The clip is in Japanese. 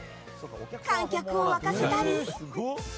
観客を沸かせたり。